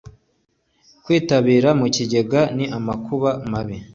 Kwitabira mu kigega ni amakuba mabi